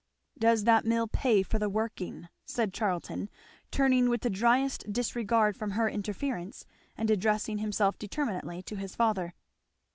"Does that mill pay for the working?" said Charlton, turning with the dryest disregard from her interference and addressing himself determinately to his father.